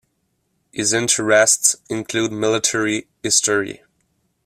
His interests include military history.